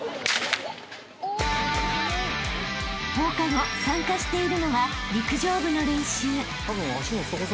［放課後参加しているのは陸上部の練習］